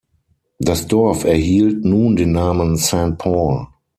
Das Dorf erhielt nun den Namen Saint-Paul.